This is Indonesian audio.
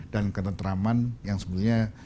dan ketentraman yang sebenarnya